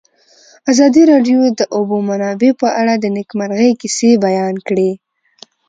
ازادي راډیو د د اوبو منابع په اړه د نېکمرغۍ کیسې بیان کړې.